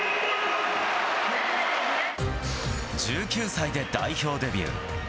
１９歳で代表デビュー。